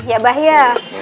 ya bah ya